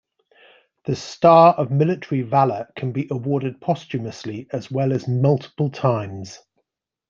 The Star of Military Valour can be awarded posthumously, as well as multiple times.